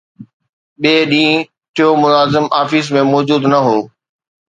ٻئي ڏينهن، ٽيون ملازم آفيس ۾ موجود نه هو